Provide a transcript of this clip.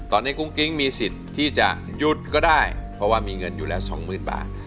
ตอนนี้กุ้งกิ๊งมีสิทธิ์ที่จะหยุดก็ได้เพราะว่ามีเงินอยู่แล้วสองหมื่นบาท